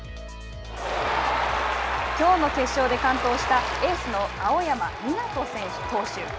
きょうの決勝で完投したエースの青山美夏人投手。